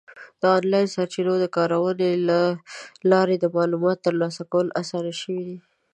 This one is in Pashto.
د آنلاین سرچینو د کارونې له لارې د معلوماتو ترلاسه کول اسان شوي دي.